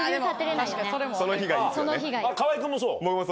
河合君もそう？